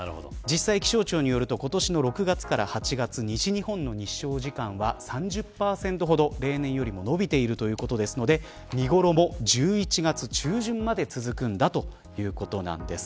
気象庁によると今年の６月から８月西日本の日照時間は３０％ほど例年よりも伸びているということですので見頃も１１月中旬まで続くんだということなんです。